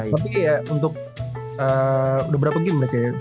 tapi ya untuk udah berapa game mereka ya